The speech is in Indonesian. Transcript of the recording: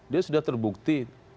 dia sudah terbukti